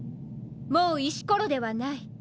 もう石ころではない。